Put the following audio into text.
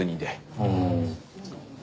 ああ。